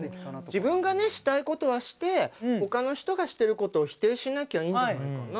自分がねしたいことはして他の人がしてることを否定しなきゃいいんじゃないかな。